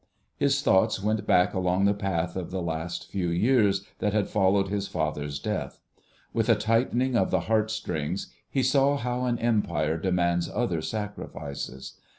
His thoughts went back along the path of the last few years that had followed his father's death. With a tightening of the heart strings he saw how an Empire demands other sacrifices.